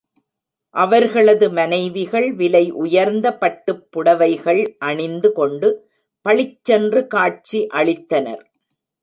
அவர்களது மனைவிகள் விலை உயர்ந்த பட்டுப் புடவைகள் அணிந்து கொண்டு பளிச் சென்று காட்சி அளித்தனர்.